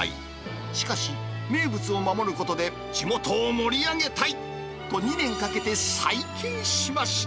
しかし、名物を守ることで地元を盛り上げたいと２年かけて再建しました。